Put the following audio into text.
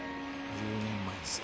１０年前ですか。